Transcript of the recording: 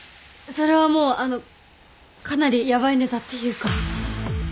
それはもうあのかなりヤバいネタっていうか。